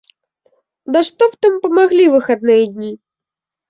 Ды што б там памаглі выхадныя дні?!